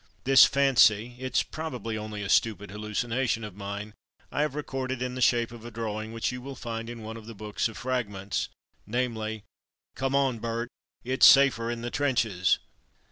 This fancy — (it's probably only a stupid hallucination of mine) — I have recorded in the shape of a drawing which you will find 156 From Mud to Mufti in one of the books of Fragments^ namely, '^Come on, Bert, it's safer in the trenches!''